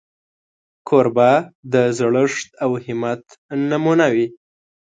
کوربه د زړښت او همت نمونه وي.